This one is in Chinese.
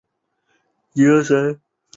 魔宠魔宠专卖店